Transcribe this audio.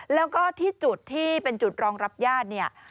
แล้วก็ที่จุดที่เป็นจุดรองรับญาติเนี่ย